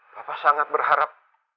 papa sangat berharap